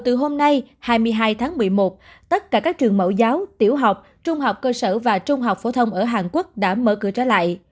từ hôm nay hai mươi hai tháng một mươi một tất cả các trường mẫu giáo tiểu học trung học cơ sở và trung học phổ thông ở hàn quốc đã mở cửa trở lại